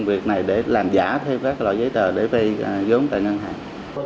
điều này để làm giả thêm các loại giấy tờ để vay giống tại ngân hàng